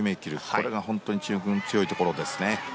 これが本当に中国の強いところですね。